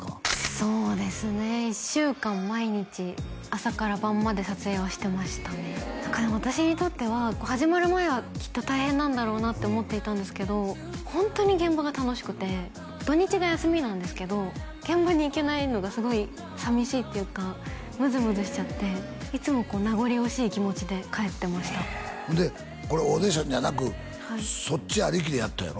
そうですね１週間毎日朝から晩まで撮影をしてましたねだから私にとっては始まる前はきっと大変なんだろうなって思っていたんですけどホントに現場が楽しくて土日が休みなんですけど現場に行けないのがすごい寂しいっていうかムズムズしちゃっていつもこう名残惜しい気持ちで帰ってましたほんでこれオーディションじゃなくそっちありきでやったんやろ？